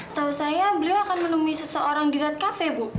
setahu saya beliau akan menemui seseorang di red cafe bu